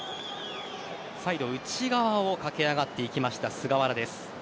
最後、内側を駆け上がってきました菅原です。